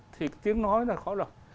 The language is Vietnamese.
thì tiếng nói là khó lọc